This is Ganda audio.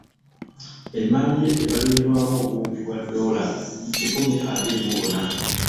Emmaali ye ebalirirwamu obuwumbi bwa ddoola kikumu abiri mu buna.